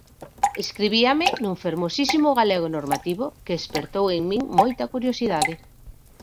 Escribíame nun fermosísimo galego normativo que espertou en min moita curiosidade.